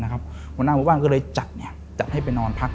หัวหน้ากหัวบ้างก็จัดให้ไปนอนพัก